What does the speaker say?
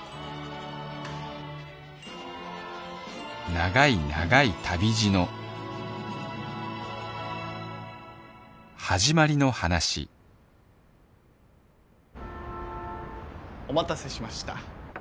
長い長い旅路のはじまりの話お待たせしました。